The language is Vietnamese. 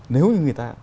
nếu như người ta